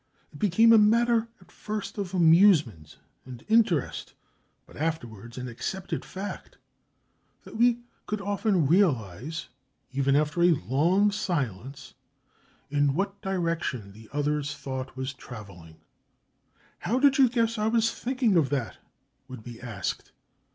It became a matter at first of amusement and interest, but afterwards an accepted fact, that we could often realise, even after a long silence, in what direction the other's thought was travelling. "How did you guess I was thinking of that?" would be asked.